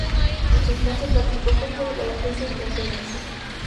En su infancia practicó fútbol, baloncesto y frontenis.